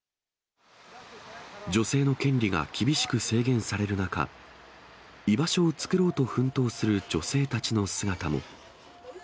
女性の権利が厳しく制限される中、居場所を作ろうと奮闘する女性たちの姿も。